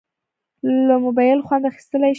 له موبایله خوند اخیستیلی شې.